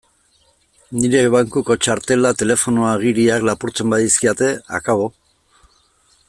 Nire bankuko txartela, telefonoa, agiriak... lapurtzen badizkidate, akabo!